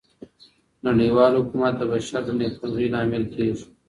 نړیوال حکومت د بشر د نیکمرغۍ لامل کیږي.